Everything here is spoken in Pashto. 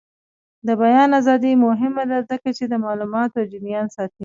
د بیان ازادي مهمه ده ځکه چې د معلوماتو جریان ساتي.